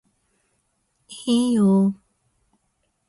いいよー